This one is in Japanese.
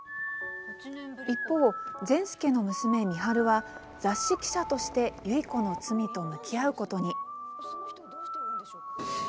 一方、善輔の娘、美晴は雑誌記者として結子の罪と向き合うことに。